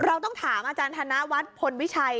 เราต้องถามอาจารย์ธนวัฒน์พลวิชัย